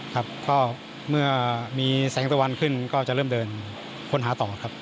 ครับก็เมื่อมีแสงตะวันขึ้นก็จะเริ่มเดินค้นหาต่อครับ